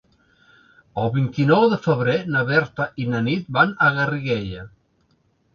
El vint-i-nou de febrer na Berta i na Nit van a Garriguella.